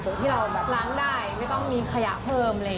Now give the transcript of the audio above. โดยที่เราล้างได้ไม่ต้องมีขยะเพิ่ม